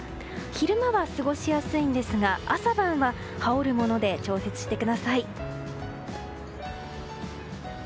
昼間は過ごしやすいんですが朝晩は、羽織るもので調節してください。